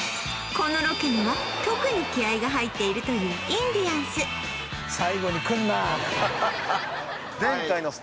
このロケには特に気合いが入っているというインディアンスただ